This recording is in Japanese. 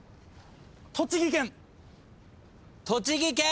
栃木県！